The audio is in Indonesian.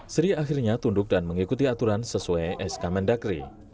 sri akhirnya tunduk dan mengikuti aturan sesuai sk mendagri